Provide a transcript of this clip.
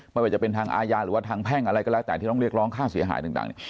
ไม่ว่าจะเป็นทางอาญาหรือว่าทางแพ่งอะไรก็แล้วแต่ที่ต้องเรียกร้องค่าเสียหายต่าง